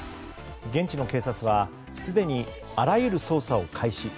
現地の警察はすでにあらゆる捜査を開始。